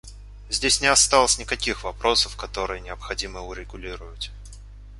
Здесь не осталось никаких вопросов, которые необходимо урегулировать.